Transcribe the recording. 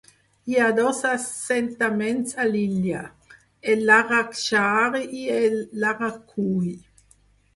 Hi ha dos assentaments a l'illa: el Larak Shahri i el Larak Kuhi.